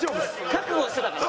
覚悟してたからな。